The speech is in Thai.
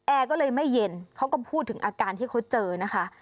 แอร์ก็เลยไม่เย็นเขาก็พูดถึงอาการที่เขาเจอนะคะ